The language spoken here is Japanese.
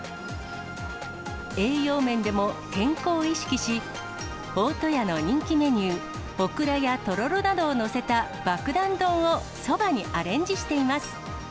栄養面でも健康を意識し、大戸屋の人気メニュー、オクラやとろろなどを載せたばくだん丼をそばにアレンジしています。